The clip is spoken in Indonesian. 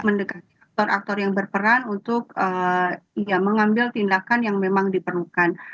mendekati aktor aktor yang berperan untuk mengambil tindakan yang memang diperlukan